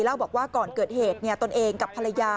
เล่าบอกว่าก่อนเกิดเหตุตนเองกับภรรยา